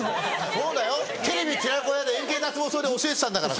そうだよ『テレビ寺子屋』で円形脱毛症で教えてたんだから。